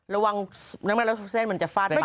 ระวังรักษณะมันจะฟาดปลาก